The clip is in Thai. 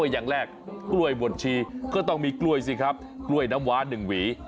อย่างแรกกล้วยบดชีก็ต้องมีกล้วยสิครับกล้วยน้ำว้า๑หวี